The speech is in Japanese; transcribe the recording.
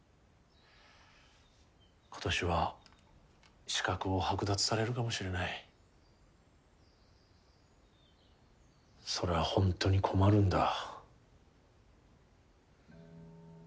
今年は資格を剥奪されるかもしれないそれはホントに困るんだ